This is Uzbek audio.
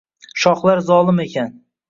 shohlar zolim ekan